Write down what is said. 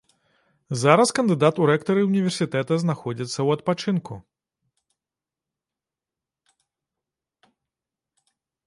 Зараз кандыдат у рэктары ўніверсітэта знаходзіцца ў адпачынку.